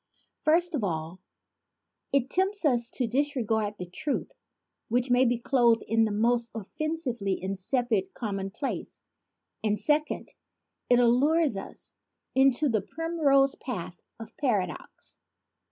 First of all, it tempts us to disregard the truth which may be clothed in the most offensively insipid com monplace; and second, it allures us into the primrose path of paradox.